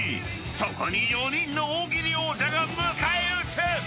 ［そこに４人の大喜利王者が迎え撃つ！］